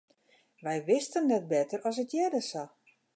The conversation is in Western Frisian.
Wy wisten net better as it hearde sa.